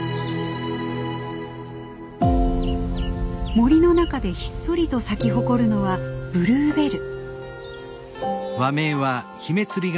森の中でひっそりと咲き誇るのはブルーベル。